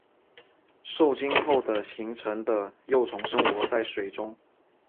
受精后的形成的幼虫生活在水中。